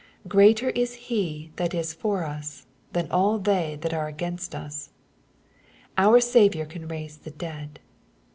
Greater is He that is for us, than all they that are against us. Our Saviomr can raise the dead.